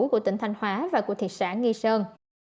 của tỉnh thanh hóa và của thị xã nghi sơn